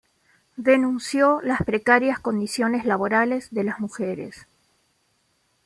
Denunció las precarias condiciones laborales de las mujeres.